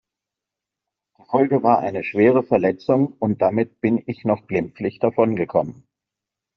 Die Folge war eine schwere Verletzung und damit bin ich noch glimpflich davon gekommen.